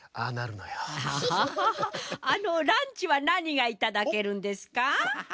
あのランチはなにがいただけるんですか？